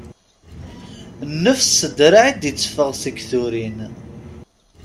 Nnefs s ddraɛ i d-itteffaɣ seg turin.